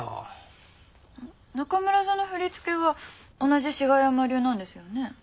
中村座の振り付けは同じ志賀山流なんですよね？